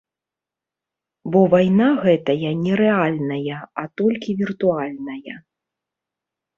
Бо вайна гэтая не рэальная, а толькі віртуальная.